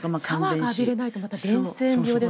シャワーが浴びれないとまた伝染病ですとか。